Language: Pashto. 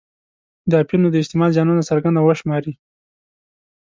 د اپینو د استعمال زیانونه څرګند او وشماري.